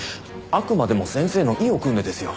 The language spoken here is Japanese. あくまでも先生の意をくんでですよ。